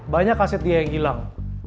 banyak aset dia yang hilang